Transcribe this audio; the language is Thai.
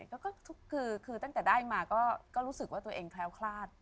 ก็คือตั้งแต่ได้มาก็รู้สึกว่าตัวเองแคล้วคลาด